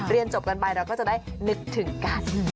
เรียนจบกันไปเราก็จะได้นึกถึงกัน